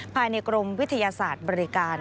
ภายในกรมวิทยาศาสตร์บริการ